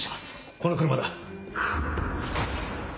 この車だ。